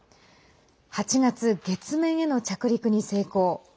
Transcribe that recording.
８月、月面への着陸に成功。